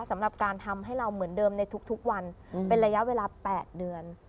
สำหรับการทำให้เราเหมือนเดิมในทุกวันเป็นระยะเวลา๘เดือน